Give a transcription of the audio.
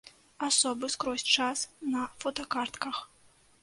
Асобы скрозь час на фотакартках.